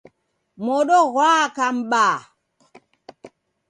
Modo ghwaka m'baa.